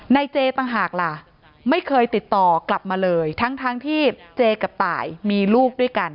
เจต่างหากล่ะไม่เคยติดต่อกลับมาเลยทั้งทั้งที่เจกับตายมีลูกด้วยกัน